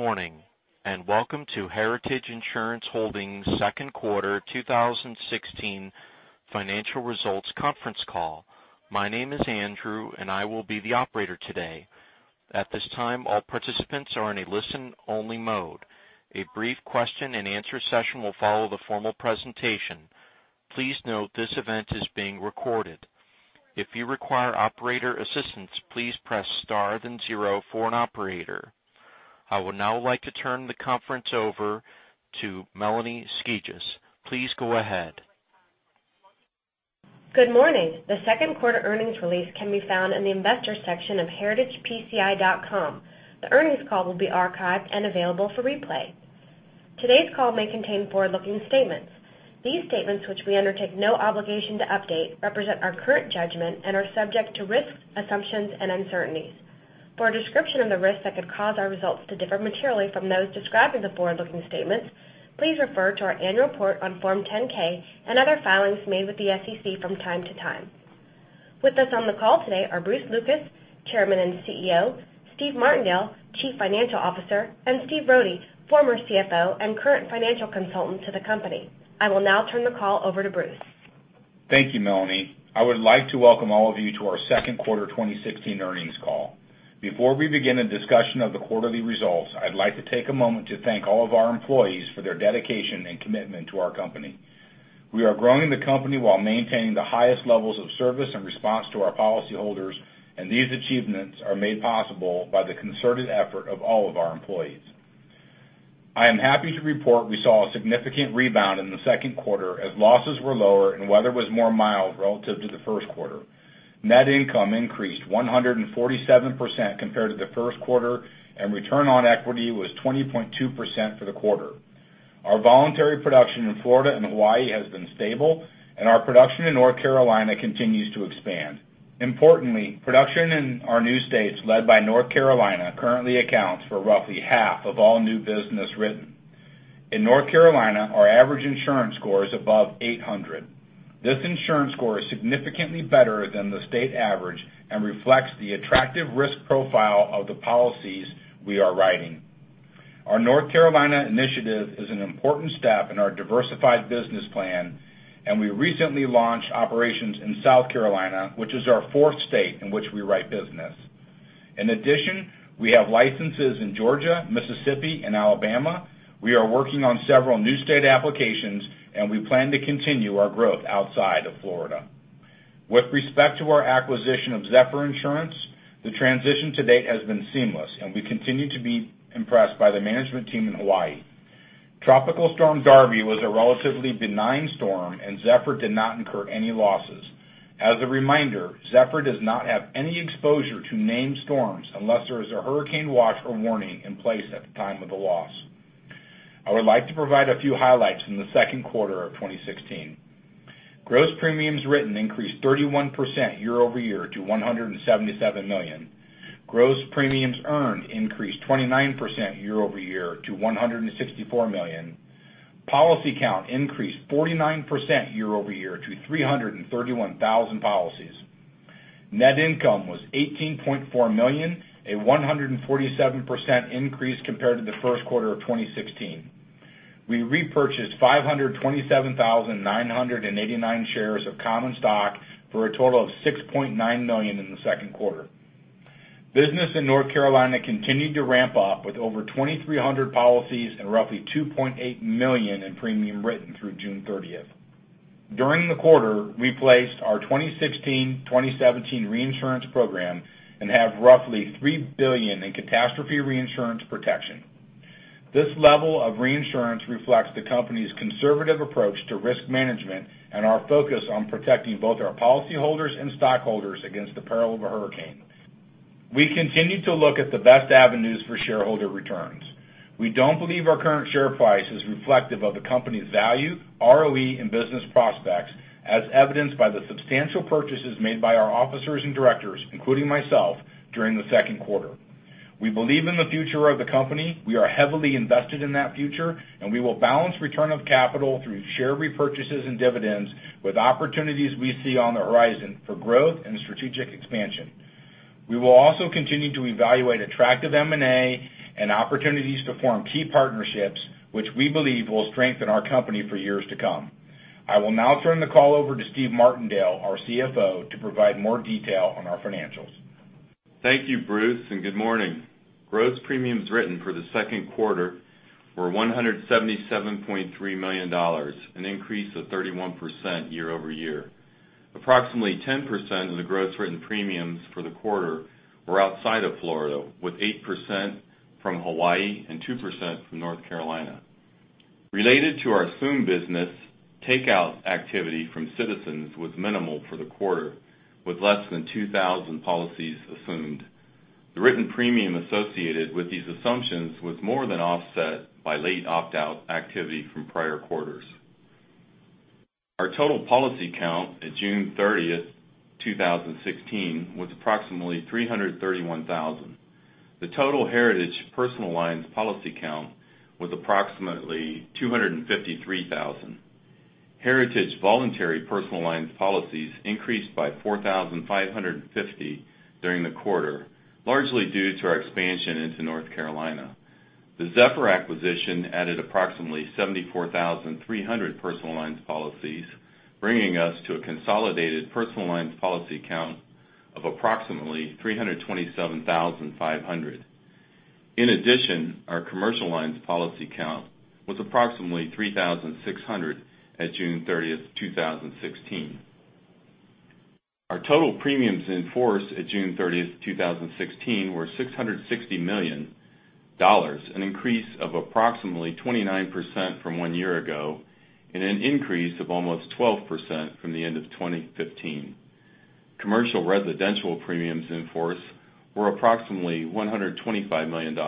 Good morning. Welcome to Heritage Insurance Holdings second quarter 2016 financial results conference call. My name is Andrew, and I will be the operator today. At this time, all participants are in a listen-only mode. A brief question and answer session will follow the formal presentation. Please note this event is being recorded. If you require operator assistance, please press star then zero for an operator. I would now like to turn the conference over to Melanie Skijus. Please go ahead. Good morning. The second quarter earnings release can be found in the investor section of heritagepci.com. The earnings call will be archived and available for replay. Today's call may contain forward-looking statements. These statements, which we undertake no obligation to update, represent our current judgment and are subject to risks, assumptions, and uncertainties. For a description of the risks that could cause our results to differ materially from those described in the forward-looking statements, please refer to our annual report on Form 10-K and other filings made with the SEC from time to time. With us on the call today are Bruce Lucas, Chairman and CEO, Steven Martindale, Chief Financial Officer, and Stephen Rohde, former CFO and current financial consultant to the company. I will now turn the call over to Bruce. Thank you, Melanie. I would like to welcome all of you to our second quarter 2016 earnings call. Before we begin a discussion of the quarterly results, I'd like to take a moment to thank all of our employees for their dedication and commitment to our company. We are growing the company while maintaining the highest levels of service and response to our policyholders. These achievements are made possible by the concerted effort of all of our employees. I am happy to report we saw a significant rebound in the second quarter as losses were lower and weather was more mild relative to the first quarter. Net income increased 147% compared to the first quarter. Return on equity was 20.2% for the quarter. Our voluntary production in Florida and Hawaii has been stable. Our production in North Carolina continues to expand. Importantly, production in our new states, led by North Carolina, currently accounts for roughly half of all new business written. In North Carolina, our average insurance score is above 800. This insurance score is significantly better than the state average and reflects the attractive risk profile of the policies we are writing. Our North Carolina initiative is an important step in our diversified business plan. We recently launched operations in South Carolina, which is our fourth state in which we write business. In addition, we have licenses in Georgia, Mississippi, and Alabama. We are working on several new state applications. We plan to continue our growth outside of Florida. With respect to our acquisition of Zephyr Insurance, the transition to date has been seamless. We continue to be impressed by the management team in Hawaii. Tropical Storm Darby was a relatively benign storm, and Zephyr did not incur any losses. As a reminder, Zephyr does not have any exposure to named storms unless there is a hurricane watch or warning in place at the time of the loss. I would like to provide a few highlights from the second quarter of 2016. Gross premiums written increased 31% year-over-year to $177 million. Gross premiums earned increased 29% year-over-year to $164 million. Policy count increased 49% year-over-year to 331,000 policies. Net income was $18.4 million, a 147% increase compared to the first quarter of 2016. We repurchased 527,989 shares of common stock for a total of $6.9 million in the second quarter. Business in North Carolina continued to ramp up with over 2,300 policies and roughly $2.8 million in premium written through June 30th. During the quarter, we placed our 2016-2017 reinsurance program and have roughly $3 billion in catastrophe reinsurance protection. This level of reinsurance reflects the company's conservative approach to risk management and our focus on protecting both our policyholders and stockholders against the peril of a hurricane. We continue to look at the best avenues for shareholder returns. We don't believe our current share price is reflective of the company's value, ROE, and business prospects as evidenced by the substantial purchases made by our officers and directors, including myself, during the second quarter. We believe in the future of the company. We are heavily invested in that future, and we will balance return of capital through share repurchases and dividends with opportunities we see on the horizon for growth and strategic expansion. We will also continue to evaluate attractive M&A and opportunities to form key partnerships, which we believe will strengthen our company for years to come. I will now turn the call over to Steven Martindale, our CFO, to provide more detail on our financials. Thank you, Bruce, and good morning. Gross premiums written for the second quarter were $177.3 million, an increase of 31% year-over-year. Approximately 10% of the gross written premiums for the quarter were outside of Florida, with 8% from Hawaii and 2% from North Carolina. Related to our assumed business, takeout activity from Citizens was minimal for the quarter, with less than 2,000 policies assumed. The written premium associated with these assumptions was more than offset by late opt-out activity from prior quarters. Our total policy count at June 30th, 2016 was approximately 331,000. The total Heritage personal lines policy count was approximately 253,000. Heritage voluntary personal lines policies increased by 4,550 during the quarter, largely due to our expansion into North Carolina. The Zephyr acquisition added approximately 74,300 personal lines policies, bringing us to a consolidated personal lines policy count of approximately 327,500. In addition, our commercial lines policy count was approximately 3,600 at June 30th, 2016. Our total premiums in force at June 30th, 2016 were $660 million, an increase of approximately 29% from one year ago and an increase of almost 12% from the end of 2015. Commercial residential premiums in force were approximately $125 million.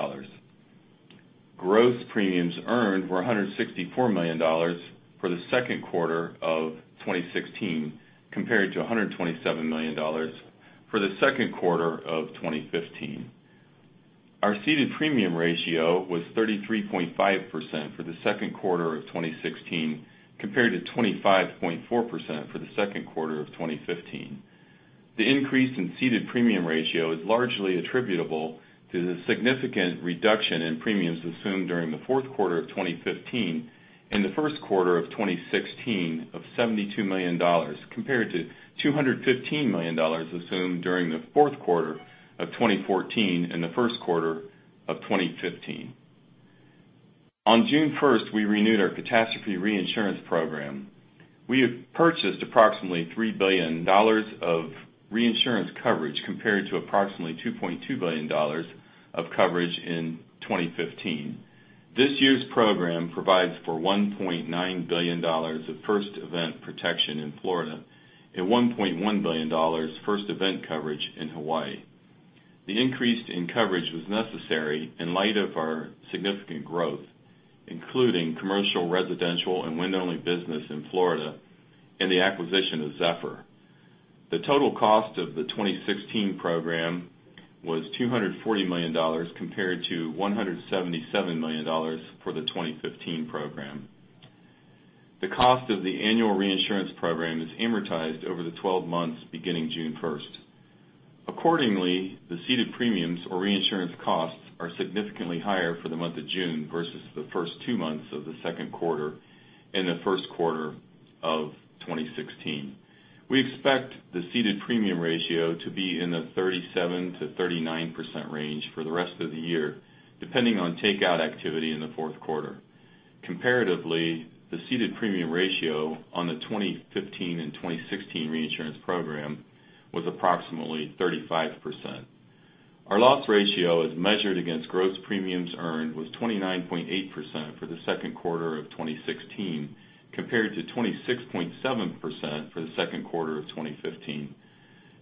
Gross premiums earned were $164 million for the second quarter of 2016, compared to $127 million for the second quarter of 2015. Our ceded premium ratio was 33.5% for the second quarter of 2016, compared to 25.4% for the second quarter of 2015. The increase in ceded premium ratio is largely attributable to the significant reduction in premiums assumed during the fourth quarter of 2015 and the first quarter of 2016 of $72 million, compared to $215 million assumed during the fourth quarter of 2014 and the first quarter of 2015. On June 1st, we renewed our catastrophe reinsurance program. We have purchased approximately $3 billion of reinsurance coverage, compared to approximately $2.2 billion of coverage in 2015. This year's program provides for $1.9 billion of first event protection in Florida and $1.1 billion first event coverage in Hawaii. The increase in coverage was necessary in light of our significant growth, including Commercial residential and wind-only business in Florida, and the acquisition of Zephyr. The total cost of the 2016 program was $240 million compared to $177 million for the 2015 program. The cost of the annual reinsurance program is amortized over the 12 months beginning June 1st. Accordingly, the ceded premiums or reinsurance costs are significantly higher for the month of June versus the first two months of the second quarter and the first quarter of 2016. We expect the ceded premium ratio to be in the 37%-39% range for the rest of the year, depending on takeout activity in the fourth quarter. Comparatively, the ceded premium ratio on the 2015 and 2016 reinsurance program was approximately 35%. Our loss ratio as measured against gross premiums earned was 29.8% for the second quarter of 2016, compared to 26.7% for the second quarter of 2015.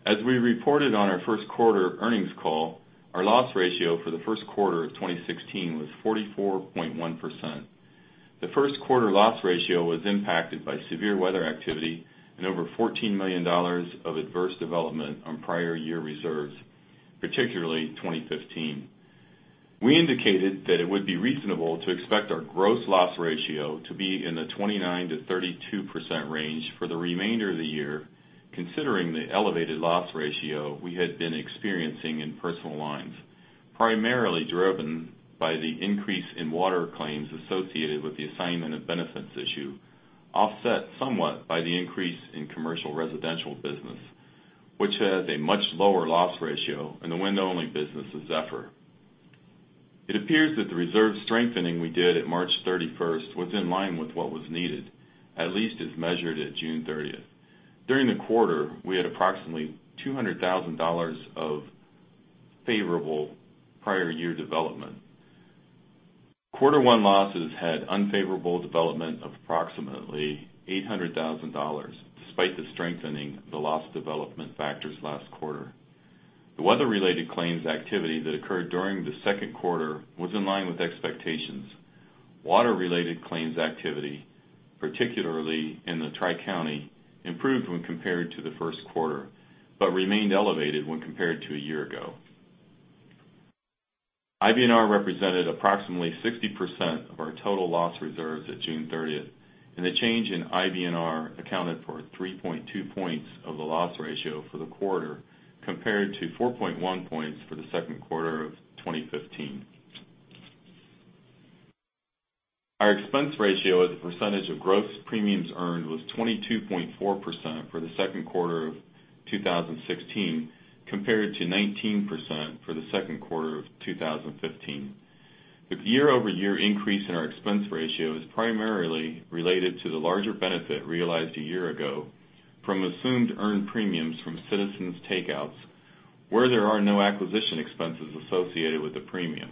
As we reported on our first quarter earnings call, our loss ratio for the first quarter of 2016 was 44.1%. The first quarter loss ratio was impacted by severe weather activity and over $14 million of adverse development on prior year reserves, particularly 2015. We indicated that it would be reasonable to expect our gross loss ratio to be in the 29%-32% range for the remainder of the year, considering the elevated loss ratio we had been experiencing in personal lines, primarily driven by the increase in water claims associated with the assignment of benefits issue, offset somewhat by the increase in Commercial residential business, which has a much lower loss ratio in the wind-only business of Zephyr. It appears that the reserve strengthening we did at March 31st was in line with what was needed, at least as measured at June 30th. During the quarter, we had approximately $200,000 of favorable prior year development. Quarter one losses had unfavorable development of approximately $800,000, despite the strengthening the loss development factors last quarter. The weather-related claims activity that occurred during the second quarter was in line with expectations. Water-related claims activity, particularly in the Tri-County, improved when compared to the first quarter, but remained elevated when compared to a year ago. IBNR represented approximately 60% of our total loss reserves at June 30th, and the change in IBNR accounted for 3.2 points of the loss ratio for the quarter, compared to 4.1 points for the second quarter of 2015. Our expense ratio as a percentage of gross premiums earned was 22.4% for the second quarter of 2016, compared to 19% for the second quarter of 2015. With the year-over-year increase in our expense ratio is primarily related to the larger benefit realized a year ago from assumed earned premiums from Citizens' takeouts, where there are no acquisition expenses associated with the premium.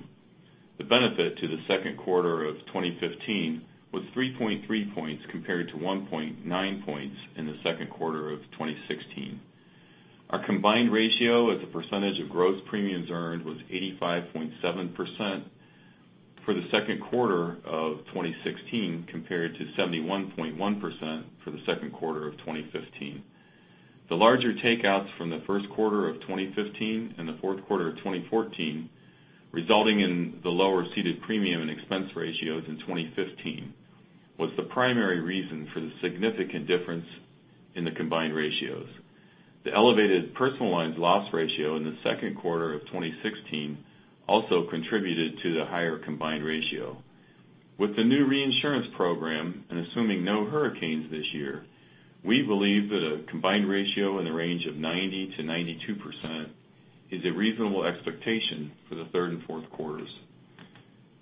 The benefit to the second quarter of 2015 was 3.3 points compared to 1.9 points in the second quarter of 2016. Our combined ratio as a percentage of gross premiums earned was 85.7% for the second quarter of 2016, compared to 71.1% for the second quarter of 2015. The larger takeouts from the first quarter of 2015 and the fourth quarter of 2014, resulting in the lower ceded premium and expense ratios in 2015, was the primary reason for the significant difference in the combined ratios. The elevated personal lines loss ratio in the second quarter of 2016 also contributed to the higher combined ratio. With the new reinsurance program and assuming no hurricanes this year, we believe that a combined ratio in the range of 90%-92% is a reasonable expectation for the third and fourth quarters.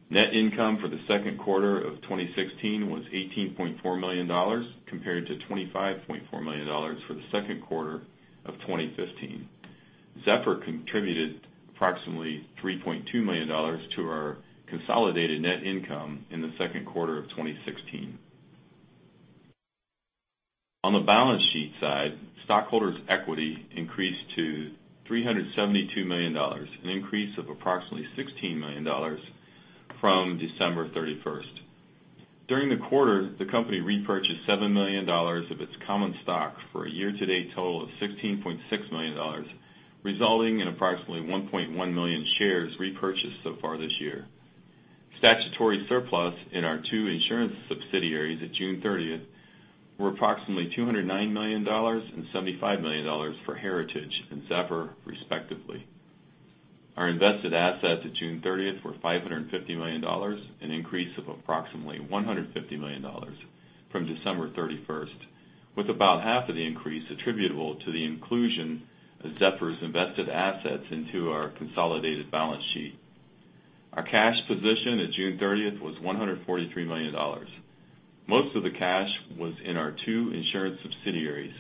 Net income for the second quarter of 2016 was $18.4 million, compared to $25.4 million for the second quarter of 2015. Zephyr contributed approximately $3.2 million to our consolidated net income in the second quarter of 2016. On the balance sheet side, stockholders' equity increased to $372 million, an increase of approximately $16 million from December 31st. During the quarter, the company repurchased $7 million of its common stock for a year-to-date total of $16.6 million, resulting in approximately 1.1 million shares repurchased so far this year. Statutory surplus in our two insurance subsidiaries at June 30th were approximately $209 million and $75 million for Heritage and Zephyr, respectively. Our invested assets at June 30th were $550 million, an increase of approximately $150 million from December 31st, with about half of the increase attributable to the inclusion of Zephyr's invested assets into our consolidated balance sheet. Our cash position at June 30th was $143 million. Most of the cash was in our two insurance subsidiaries,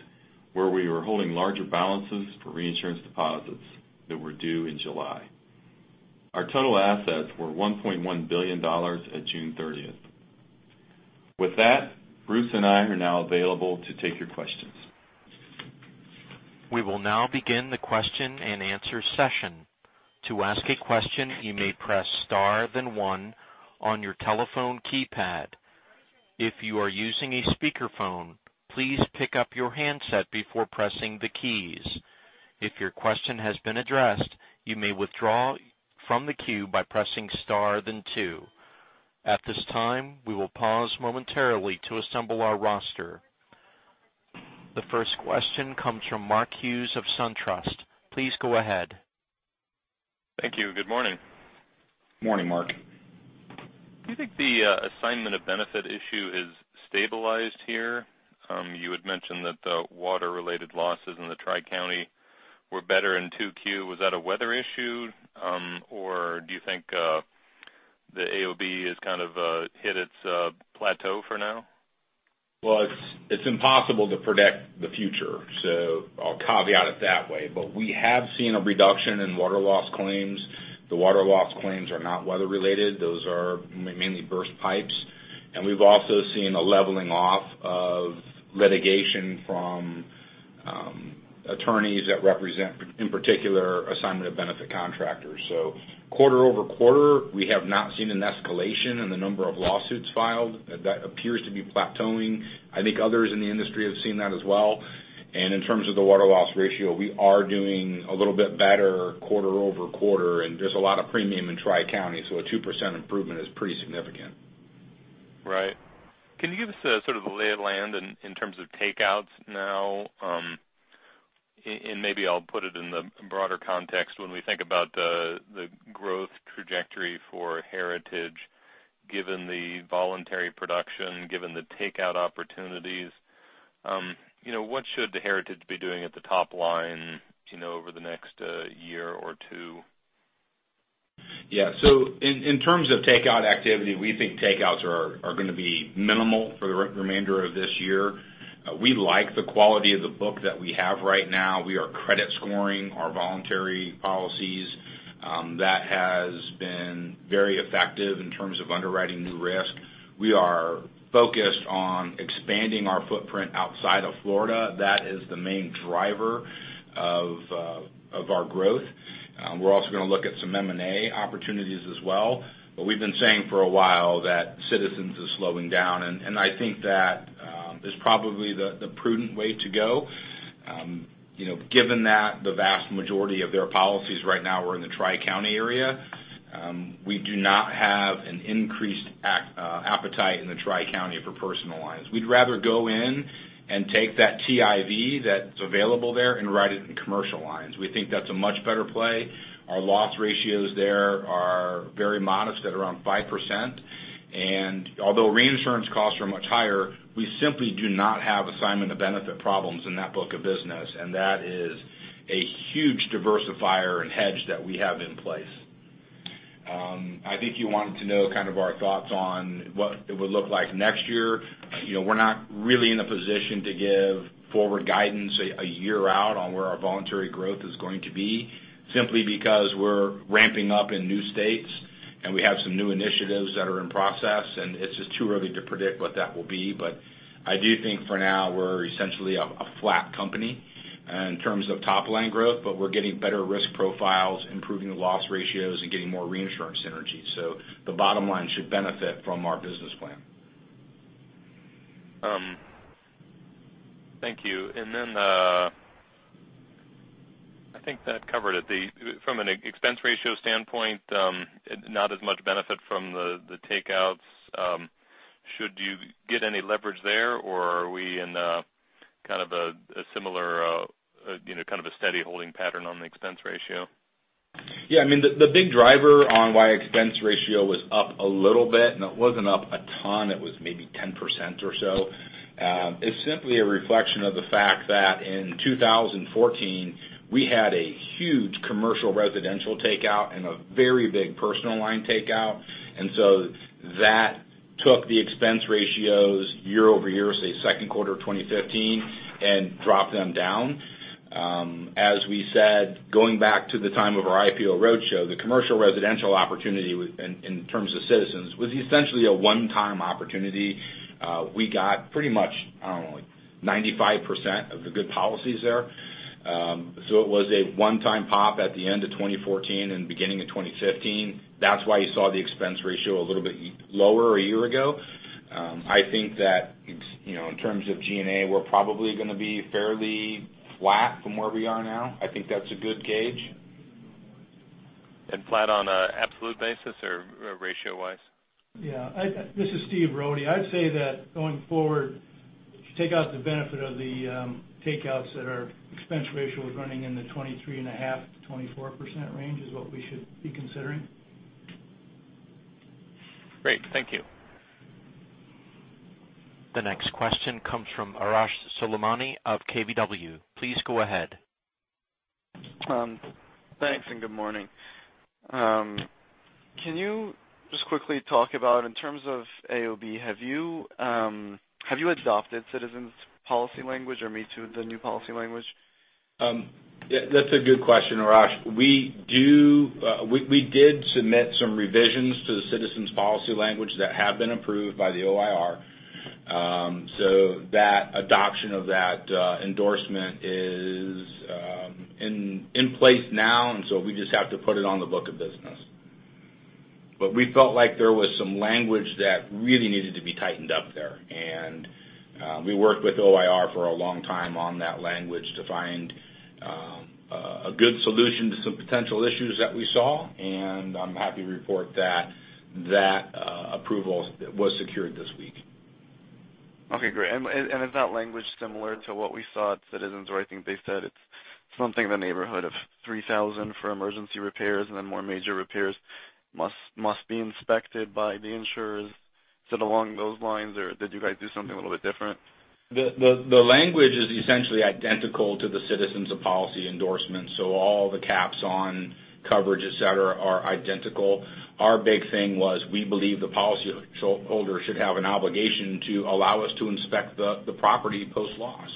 where we were holding larger balances for reinsurance deposits that were due in July. Our total assets were $1.1 billion at June 30th. With that, Bruce and I are now available to take your questions. We will now begin the question and answer session. To ask a question, you may press star, then one on your telephone keypad. If you are using a speakerphone, please pick up your handset before pressing the keys. If your question has been addressed, you may withdraw from the queue by pressing star, then two. At this time, we will pause momentarily to assemble our roster. The first question comes from Mark Hughes of SunTrust. Please go ahead. Thank you. Good morning. Morning, Mark. Do you think the assignment of benefit issue has stabilized here? You had mentioned that the water-related losses in the Tri-County were better in 2Q. Was that a weather issue, or do you think the AOB has kind of hit its plateau for now? It's impossible to predict the future, so I'll caveat it that way. We have seen a reduction in water loss claims. The water loss claims are not weather related. Those are mainly burst pipes. We've also seen a leveling off of litigation from attorneys that represent, in particular, assignment of benefit contractors. Quarter-over-quarter, we have not seen an escalation in the number of lawsuits filed. That appears to be plateauing. I think others in the industry have seen that as well. In terms of the water loss ratio, we are doing a little bit better quarter-over-quarter, and there's a lot of premium in Tri-County, so a 2% improvement is pretty significant. Right. Can you give us sort of the lay of land in terms of takeouts now? Maybe I'll put it in the broader context. When we think about the growth trajectory for Heritage, given the voluntary production, given the takeout opportunities, what should Heritage be doing at the top line over the next year or two? Yeah. In terms of takeout activity, we think takeouts are going to be minimal for the remainder of this year. We like the quality of the book that we have right now. We are credit scoring our voluntary policies. That has been very effective in terms of underwriting new risk. We are focused on expanding our footprint outside of Florida. That is the main driver of our growth. We're also going to look at some M&A opportunities as well. We've been saying for a while that Citizens is slowing down, and I think that is probably the prudent way to go. Given that the vast majority of their policies right now are in the Tri-County area, we do not have an increased appetite in the Tri-County for personal lines. We'd rather go in and take that TIV that's available there and write it in commercial lines. We think that's a much better play. Our loss ratios there are very modest at around 5%. Although reinsurance costs are much higher, we simply do not have assignment of benefit problems in that book of business. That is a huge diversifier and hedge that we have in place. I think you wanted to know kind of our thoughts on what it would look like next year. We're not really in a position to give forward guidance a year out on where our voluntary growth is going to be, simply because we're ramping up in new states, and we have some new initiatives that are in process. It's just too early to predict what that will be. I do think for now, we're essentially a flat company in terms of top-line growth, but we're getting better risk profiles, improving the loss ratios, and getting more reinsurance synergies. The bottom line should benefit from our business plan. Thank you. I think that covered it. From an expense ratio standpoint, not as much benefit from the takeouts. Should you get any leverage there, or are we in a similar kind of a steady holding pattern on the expense ratio? The big driver on why expense ratio was up a little bit, and it wasn't up a ton, it was maybe 10% or so, is simply a reflection of the fact that in 2014, we had a huge commercial residential takeout and a very big personal line takeout. That took the expense ratios year-over-year, say second quarter of 2015, and dropped them down. As we said, going back to the time of our IPO roadshow, the commercial residential opportunity in terms of Citizens was essentially a one-time opportunity. We got pretty much, I don't know, 95% of the good policies there. It was a one-time pop at the end of 2014 and beginning of 2015. That's why you saw the expense ratio a little bit lower a year ago. I think that in terms of G&A, we're probably going to be fairly flat from where we are now. I think that's a good gauge. Flat on a absolute basis or ratio wise? Yeah. This is Stephen Rohde. I'd say that going forward, if you take out the benefit of the takeouts that our expense ratio was running in the 23.5%-24% range is what we should be considering. Great. Thank you. The next question comes from Arash Soleimani of KBW. Please go ahead. Thanks and good morning. Can you just quickly talk about in terms of AOB, have you adopted Citizens' policy language or meet the new policy language? That's a good question, Arash. We did submit some revisions to the Citizens policy language that have been approved by the OIR. That adoption of that endorsement is in place now, we just have to put it on the book of business. We felt like there was some language that really needed to be tightened up there. We worked with OIR for a long time on that language to find a good solution to some potential issues that we saw, I'm happy to report that that approval was secured this week. Okay, great. Is that language similar to what we saw at Citizens, where I think they said it's something in the neighborhood of $3,000 for emergency repairs and then more major repairs must be inspected by the insurers. Is it along those lines or did you guys do something a little bit different? The language is essentially identical to the Citizens of policy endorsements. All the caps on coverage, et cetera, are identical. Our big thing was we believe the policy holder should have an obligation to allow us to inspect the property post-loss.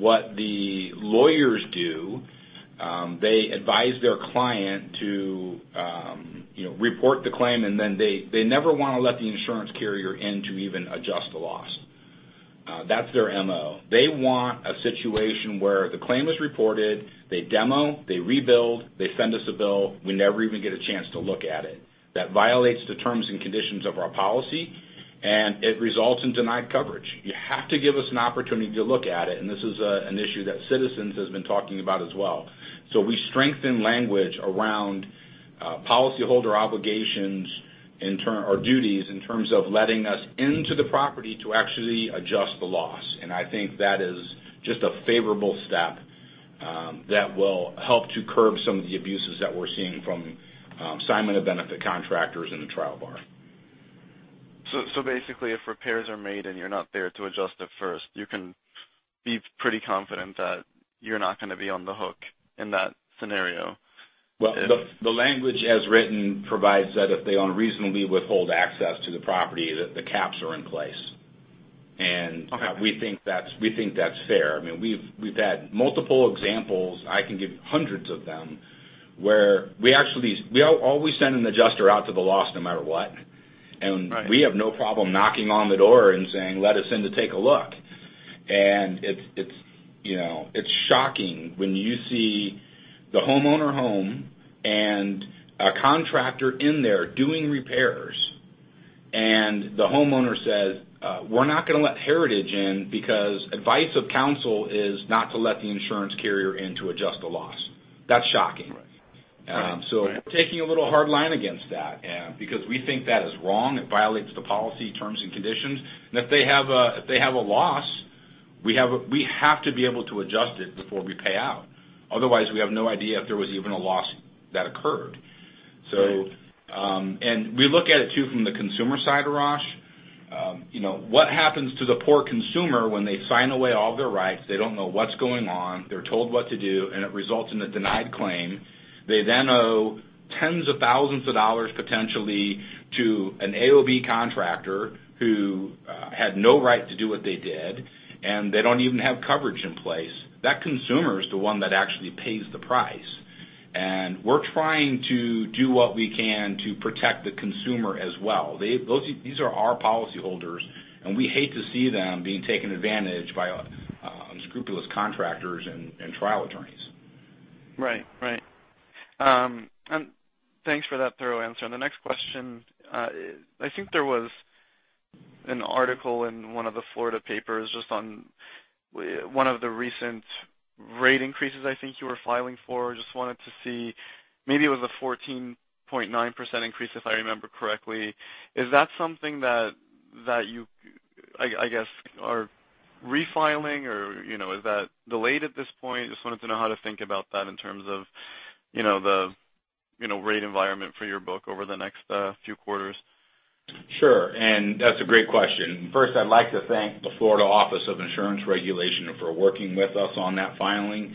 What the lawyers do, they advise their client to report the claim, then they never want to let the insurance carrier in to even adjust the loss. That's their MO. They want a situation where the claim is reported, they demo, they rebuild, they send us a bill. We never even get a chance to look at it. That violates the terms and conditions of our policy, it results in denied coverage. You have to give us an opportunity to look at it, this is an issue that Citizens has been talking about as well. We strengthen language around policy holder obligations or duties in terms of letting us into the property to actually adjust the loss. I think that is just a favorable step that will help to curb some of the abuses that we're seeing from assignment of benefits contractors in the trial bar. Basically, if repairs are made and you're not there to adjust it first, you can be pretty confident that you're not going to be on the hook in that scenario? Well, the language as written provides that if they unreasonably withhold access to the property, that the caps are in place. Okay. We think that's fair. We've had multiple examples, I can give hundreds of them, where we always send an adjuster out to the loss no matter what. Right. We have no problem knocking on the door and saying, "Let us in to take a look." It's shocking when you see the homeowner home and a contractor in there doing repairs, and the homeowner says, "We're not going to let Heritage in because advice of counsel is not to let the insurance carrier in to adjust the loss." That's shocking. Right. We're taking a little hard line against that because we think that is wrong. It violates the policy terms and conditions. If they have a loss, we have to be able to adjust it before we pay out. Otherwise, we have no idea if there was even a loss that occurred. Right. We look at it too from the consumer side, Arash. What happens to the poor consumer when they sign away all of their rights, they don't know what's going on, they're told what to do, and it results in a denied claim? They then owe tens of thousands of dollars potentially to an AOB contractor who had no right to do what they did, and they don't even have coverage in place. That consumer is the one that actually pays the price. We're trying to do what we can to protect the consumer as well. These are our policyholders, and we hate to see them being taken advantage by unscrupulous contractors and trial attorneys. Right. Thanks for that thorough answer. The next question, I think there was an article in one of the Florida papers just on one of the recent rate increases I think you were filing for. Just wanted to see, maybe it was a 14.9% increase if I remember correctly. Is that something that you are refiling or is that delayed at this point? Just wanted to know how to think about that in terms of the rate environment for your book over the next few quarters. Sure. That's a great question. First, I'd like to thank the Florida Office of Insurance Regulation for working with us on that filing.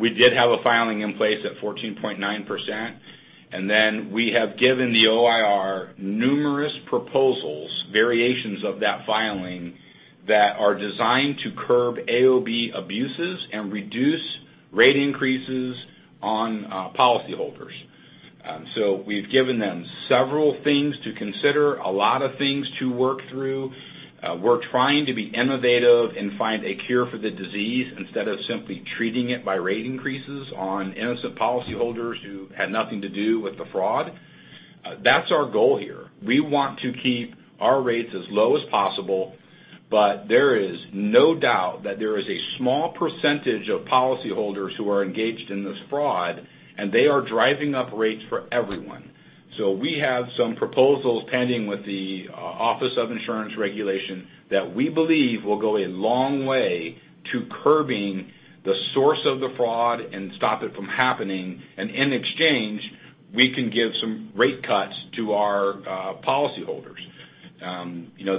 We did have a filing in place at 14.9%, and then we have given the OIR numerous proposals, variations of that filing, that are designed to curb AOB abuses and reduce rate increases on policyholders. We've given them several things to consider, a lot of things to work through. We're trying to be innovative and find a cure for the disease instead of simply treating it by rate increases on innocent policyholders who had nothing to do with the fraud. That's our goal here. We want to keep our rates as low as possible, there is no doubt that there is a small percentage of policyholders who are engaged in this fraud, and they are driving up rates for everyone. We have some proposals pending with the Office of Insurance Regulation that we believe will go a long way to curbing the source of the fraud and stop it from happening. In exchange, we can give some rate cuts to our policyholders.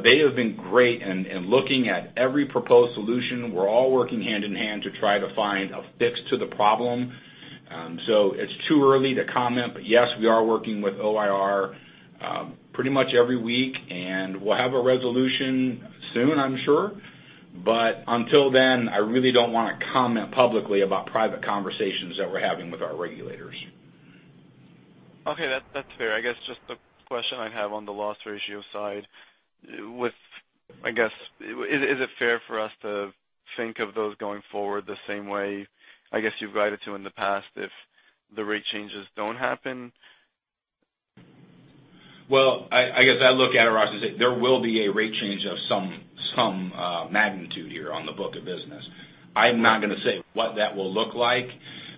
They have been great in looking at every proposed solution. We're all working hand in hand to try to find a fix to the problem. It's too early to comment. Yes, we are working with OIR pretty much every week, and we'll have a resolution soon, I'm sure. Until then, I really don't want to comment publicly about private conversations that we're having with our regulators. Okay. That's fair. I guess just a question I have on the loss ratio side. Is it fair for us to think of those going forward the same way you've guided to in the past if the rate changes don't happen? Well, I look at it, Arash, and say there will be a rate change of some magnitude here on the book of business. I'm not going to say what that will look like.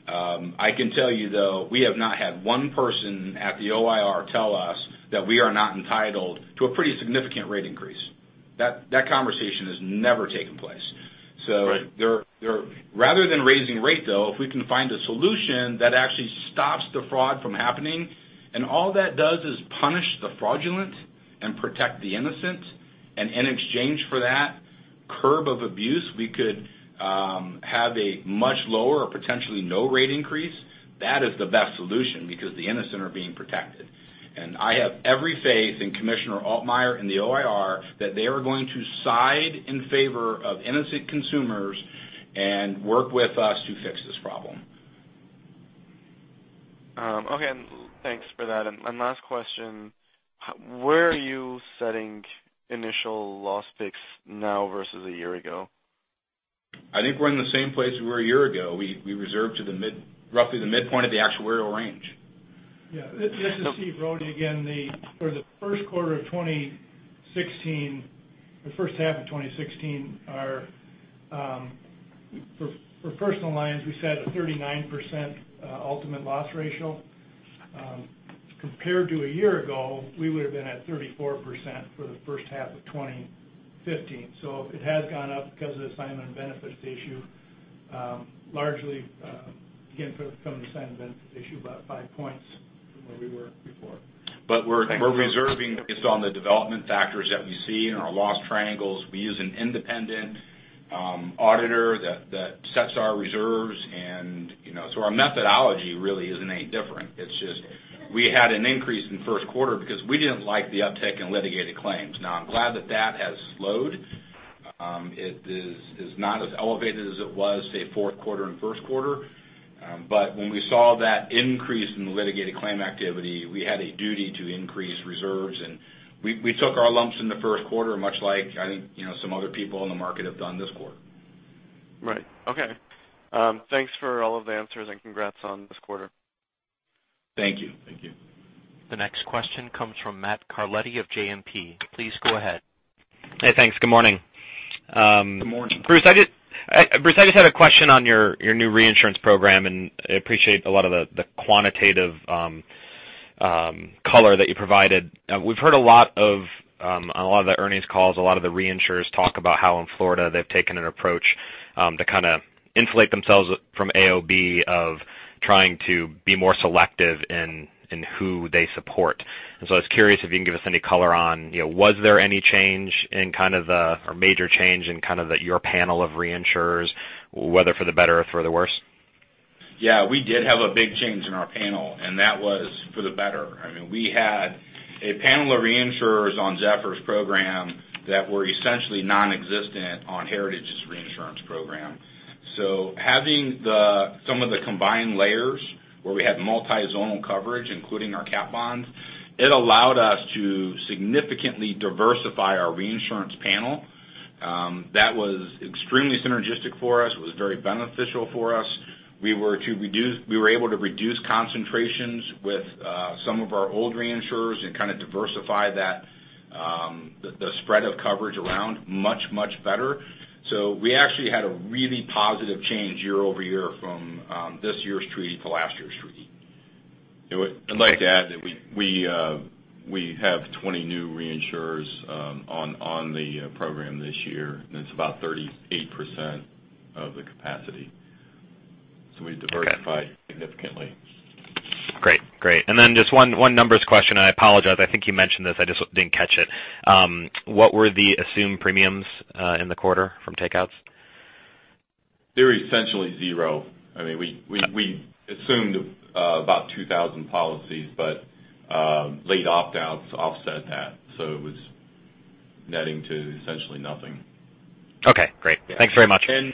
I can tell you, though, we have not had one person at the OIR tell us that we are not entitled to a pretty significant rate increase. That conversation has never taken place. Right. Rather than raising rate, though, if we can find a solution that actually stops the fraud from happening, and all that does is punish the fraudulent and protect the innocent, and in exchange for that curb of abuse, we could have a much lower or potentially no rate increase. That is the best solution because the innocent are being protected. I have every faith in Commissioner Altmaier and the OIR that they are going to side in favor of innocent consumers and work with us to fix this problem. Okay. Thanks for that. Last question, where are you setting initial loss picks now versus a year ago? I think we're in the same place we were a year ago. We reserved to roughly the midpoint of the actuarial range. Yeah. This is Stephen Rohde again. For the first quarter of 2016, the first half of 2016, for personal lines, we set a 39% ultimate loss ratio. Compared to a year ago, we would've been at 34% for the first half of 2015. It has gone up because of the assignment of benefits issue. Largely, again, from the assignment of benefits issue, about five points from where we were before. We're reserving based on the development factors that we see in our loss triangles. We use an independent auditor that sets our reserves. Our methodology really isn't any different. It's just we had an increase in first quarter because we didn't like the uptick in litigated claims. Now, I'm glad that that has slowed. It is not as elevated as it was, say, fourth quarter and first quarter. When we saw that increase in the litigated claim activity, we had a duty to increase reserves, and we took our lumps in the first quarter, much like I think some other people in the market have done this quarter. Right. Okay. Thanks for all of the answers, and congrats on this quarter. Thank you. Thank you. The next question comes from Matt Carletti of JMP. Please go ahead. Hey, thanks. Good morning. Good morning. Bruce, I just had a question on your new reinsurance program, and I appreciate a lot of the quantitative color that you provided. We've heard a lot of the earnings calls, a lot of the reinsurers talk about how in Florida they've taken an approach to kind of insulate themselves from AOB of trying to be more selective in who they support. I was curious if you can give us any color on was there any major change in kind of your panel of reinsurers, whether for the better or for the worse? Yeah, we did have a big change in our panel. That was for the better. We had a panel of reinsurers on Zephyr's program that were essentially nonexistent on Heritage's reinsurance program. Having some of the combined layers, we had multi-zonal coverage, including our cat bonds. It allowed us to significantly diversify our reinsurance panel. That was extremely synergistic for us. It was very beneficial for us. We were able to reduce concentrations with some of our old reinsurers and kind of diversify the spread of coverage around much, much better. We actually had a really positive change year-over-year from this year's treaty to last year's treaty. I'd like to add that we have 20 new reinsurers on the program this year, and it's about 38% of the capacity. We diversified significantly. Great. Then just one numbers question, and I apologize, I think you mentioned this, I just didn't catch it. What were the assumed premiums in the quarter from takeouts? They were essentially zero. We assumed about 2,000 policies, late opt-outs offset that. It was netting to essentially nothing. Okay, great. Thanks very much. Yeah.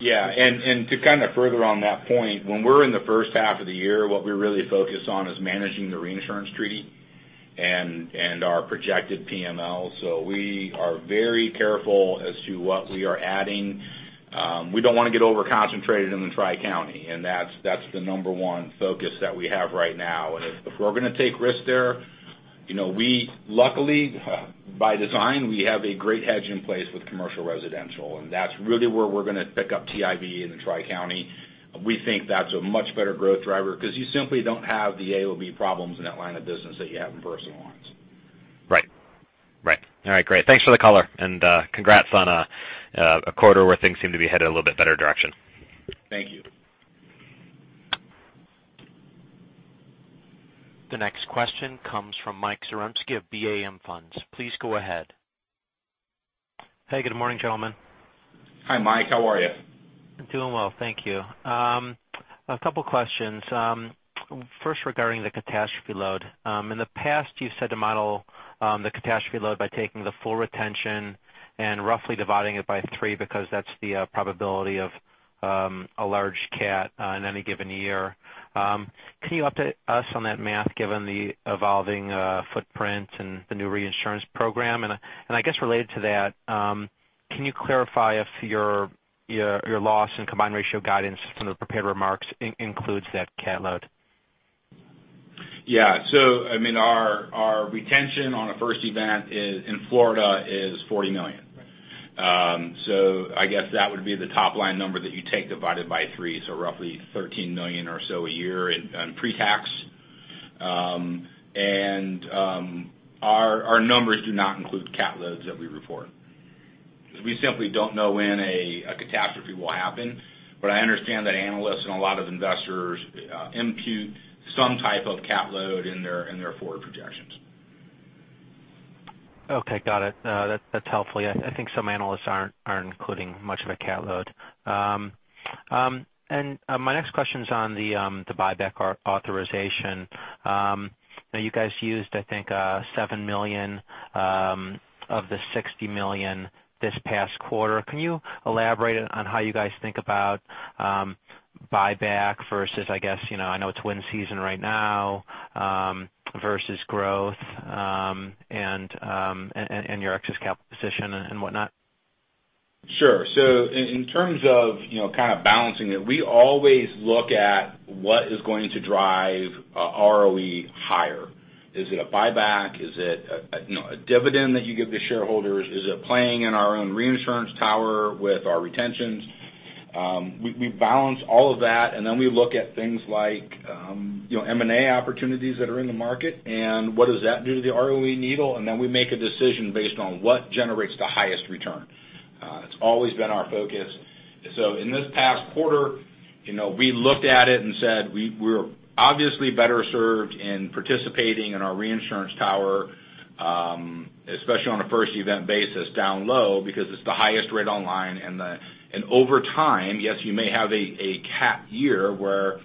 To kind of further on that point, when we're in the first half of the year, what we really focus on is managing the reinsurance treaty and our projected PML. We are very careful as to what we are adding. We don't want to get over-concentrated in the Tri-County, that's the number one focus that we have right now. If we're going to take risks there, luckily, by design, we have a great hedge in place with commercial residential, and that's really where we're going to pick up TIV in the Tri-County. We think that's a much better growth driver because you simply don't have the AOB problems in that line of business that you have in personal lines. Right. All right, great. Thanks for the color, congrats on a quarter where things seem to be headed a little bit better direction. Thank you. The next question comes from Michael Zarembski of BAM Funds. Please go ahead. Hey, good morning, gentlemen. Hi, Mike. How are you? I'm doing well. Thank you. A couple questions. First, regarding the catastrophe load. In the past, you said to model the catastrophe load by taking the full retention and roughly dividing it by three because that's the probability of a large cat in any given year. Can you update us on that math given the evolving footprint and the new reinsurance program? I guess related to that, can you clarify if your loss and combined ratio guidance from the prepared remarks includes that cat load? Yeah. Our retention on a first event in Florida is $40 million. I guess that would be the top-line number that you take divided by three, roughly $13 million or so a year in pre-tax. Our numbers do not include cat loads that we report. We simply don't know when a catastrophe will happen. I understand that analysts and a lot of investors impute some type of cat load in their forward projections. Okay, got it. That's helpful. I think some analysts aren't including much of a cat load. My next question's on the buyback authorization. You guys used, I think, $7 million of the $60 million this past quarter. Can you elaborate on how you guys think about buyback versus, I guess, I know it's wind season right now, versus growth and your excess capital position and whatnot? Sure. In terms of kind of balancing it, we always look at what is going to drive our ROE higher. Is it a buyback? Is it a dividend that you give the shareholders? Is it playing in our own reinsurance tower with our retentions? We balance all of that, and then we look at things like M&A opportunities that are in the market and what does that do to the ROE needle, and then we make a decision based on what generates the highest return. It's always been our focus. In this past quarter, we looked at it and said we're obviously better served in participating in our reinsurance tower, especially on a first event basis down low because it's the highest rate online. Over time, yes, you may have a cat year where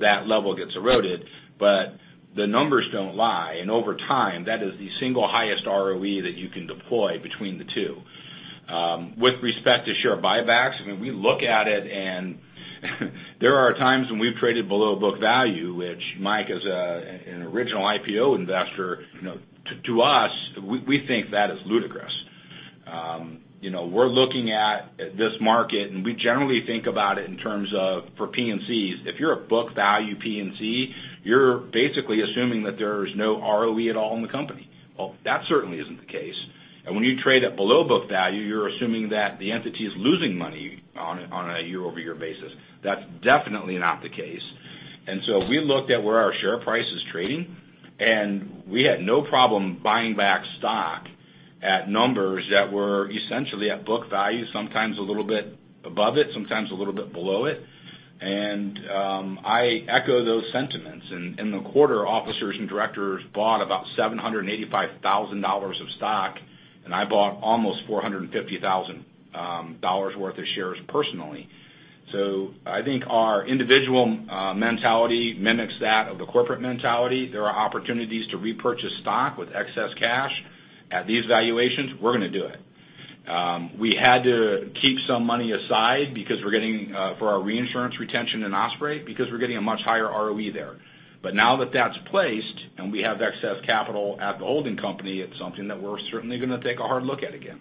that level gets eroded, but the numbers don't lie, and over time, that is the single highest ROE that you can deploy between the two. With respect to share buybacks, we look at it and there are times when we've traded below book value, which Mike, as an original IPO investor, to us, we think that is ludicrous. We're looking at this market, and we generally think about it in terms of for P&Cs. If you're a book value P&C, you're basically assuming that there's no ROE at all in the company. That certainly isn't the case. When you trade at below book value, you're assuming that the entity is losing money on a year-over-year basis. That's definitely not the case. We looked at where our share price is trading, and we had no problem buying back stock at numbers that were essentially at book value, sometimes a little bit above it, sometimes a little bit below it. I echo those sentiments. In the quarter, officers and directors bought about $785,000 of stock, and I bought almost $450,000 worth of shares personally. I think our individual mentality mimics that of the corporate mentality. There are opportunities to repurchase stock with excess cash at these valuations, we're going to do it. We had to keep some money aside for our reinsurance retention in Osprey because we're getting a much higher ROE there. Now that that's placed and we have excess capital at the holding company, it's something that we're certainly going to take a hard look at again.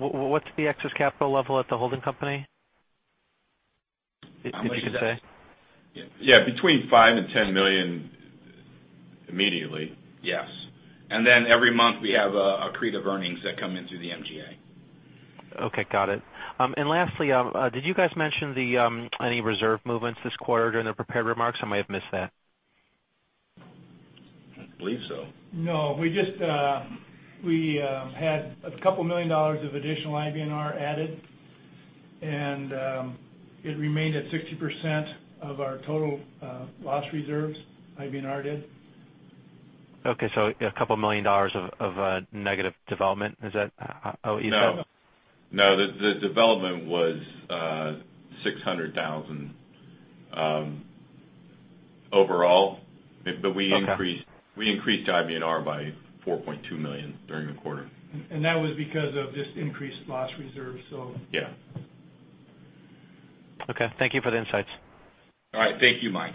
What's the excess capital level at the holding company? If you can say. Between $5 million and $10 million immediately. Yes. Every month we have accretive earnings that come in through the MGA. Okay, got it. Lastly, did you guys mention any reserve movements this quarter during the prepared remarks? I might have missed that. I believe so. No. We had a couple million dollars of additional IBNR added, and it remained at 60% of our total loss reserves, IBNR did. Okay. A couple million dollars of negative development. Is that how you said? No, the development was $600,000 overall. Okay. We increased IBNR by $4.2 million during the quarter. That was because of this increased loss reserve. Yeah. Okay. Thank you for the insights. All right. Thank you, Mike.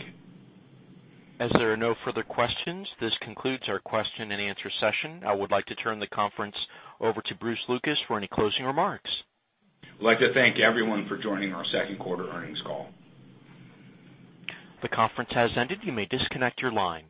As there are no further questions, this concludes our question and answer session. I would like to turn the conference over to Bruce Lucas for any closing remarks. We'd like to thank everyone for joining our second quarter earnings call. The conference has ended. You may disconnect your lines.